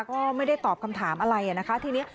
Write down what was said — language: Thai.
ก็ไม่ได้ตอบคำถามอะไรนะคะทีนี้